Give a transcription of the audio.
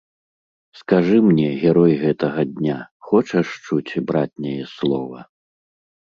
Скажы мне, герой гэтага дня, хочаш чуць братняе слова?